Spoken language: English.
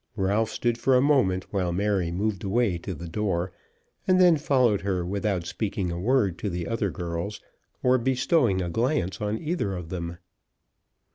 Ralph stood for a moment while Mary moved away to the door, and then followed her without speaking a word to the other girls, or bestowing a glance on either of them.